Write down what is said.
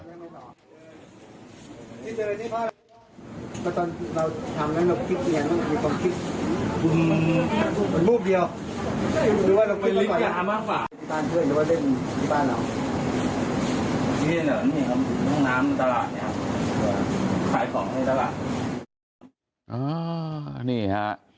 น้ำตลาดขายของให้ตลาด